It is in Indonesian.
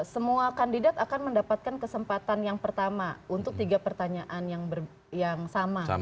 semua kandidat akan mendapatkan kesempatan yang pertama untuk tiga pertanyaan yang sama